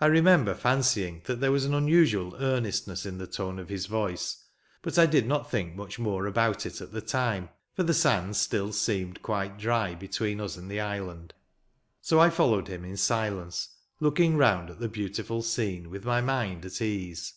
r I remember fancying that there was an unusual earnestness in the tone of his voice ; but I did not think much more about it at the time, for the sands still seemed quite dry between us and the island; so I followed him in silence, looking round at the beautiful scene, with my mind at ease.